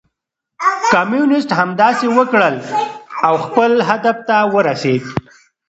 کمونيسټ همداسې وکړل او خپل هدف ته ورسېد.